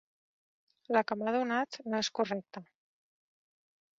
La que m'ha donat no és correcte.